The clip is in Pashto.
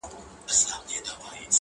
هغه مه ښوروه ژوند راڅخـه اخلي،